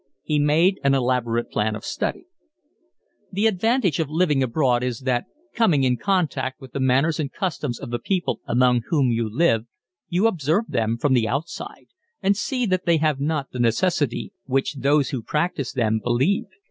He made an elaborate plan of study. The advantage of living abroad is that, coming in contact with the manners and customs of the people among whom you live, you observe them from the outside and see that they have not the necessity which those who practise them believe.